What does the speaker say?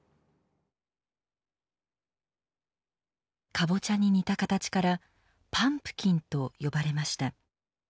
カボチャに似た形からパンプキンと呼ばれました。